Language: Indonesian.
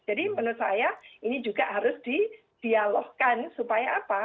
jadi menurut saya ini juga harus di dialogkan supaya apa